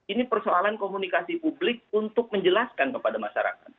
ini persoalan komunikasi publik untuk menjelaskan kepada masyarakat